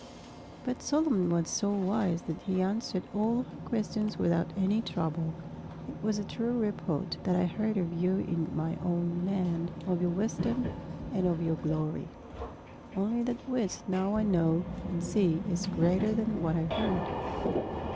But Solomon was so wise that he answered all her questions without any trouble. And she said to him, "It was a true report that I heard of you in my own land, of your wisdom and of your glory. Only that which now I know and see is greater than what I heard.